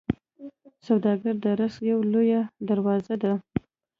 سوداګري د رزق یوه لویه دروازه ده.